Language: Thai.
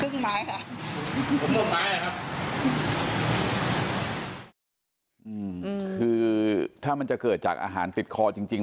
คือถ้ามันจะเกิดจากอาหารติดคอจริงจริง